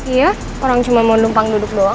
iya orang cuma mau numpang duduk doang